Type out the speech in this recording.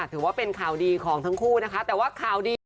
ถือว่าเป็นข่าวดีของทั้งคู่นะคะแต่ว่าข่าวดี